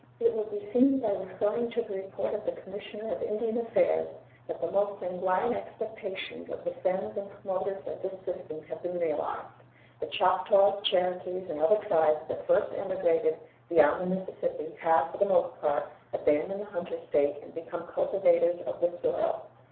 It will be seen by referring to the report of the Commissioner of Indian Affairs that the most sanguine expectations of the friends and promoters of this system have been realized. The Choctaws, Cherokees, and other tribes that first emigrated beyond the Mississippi have for the most part abandoned the hunter state and become cultivators of the soil.